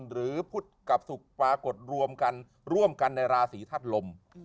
หรือพุทธกับสุขปากฎร่วมกันในราศีทัศลม